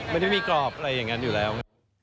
ไม่ได้มีกรอบอะไรอย่างนั้นอยู่แล้ว